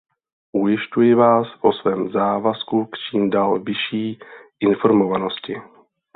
Ujišťuji vás o svém závazku k čím dál vyšší informovanosti.